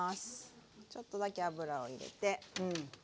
ちょっとだけ油を入れて。